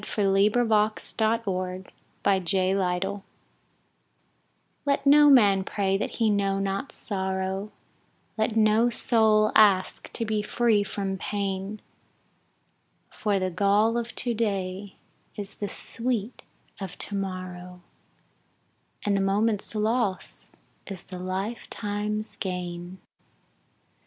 Ella Wheeler Wilcox Life's Harmonies LET no man pray that he know not sorrow, Let no soul ask to be free from pain, For the gall of to day is the sweet of to morrow, And the moment's loss is the lifetime's gain.